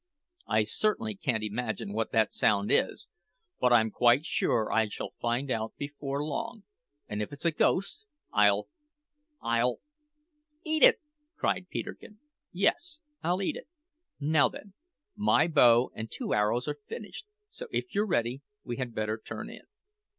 I certainly can't imagine what that sound is; but I'm quite sure I shall find out before long, and if it's a ghost I'll I'll " "Eat it!" cried Peterkin. "Yes, I'll eat it! Now, then, my bow and two arrows are finished; so, if you're ready, we had better turn in."